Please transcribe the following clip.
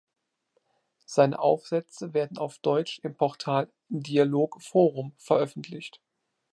Seine Aufsätze werden auf Deutsch im Portal "Dialog Forum" veröffentlicht.